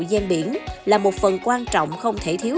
gian biển là một phần quan trọng không thể thiếu